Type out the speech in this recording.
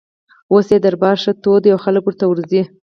اوس یې دربار ښه تود دی او خلک ورته ورځي.